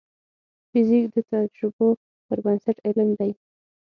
فزیک د تجربو پر بنسټ علم دی.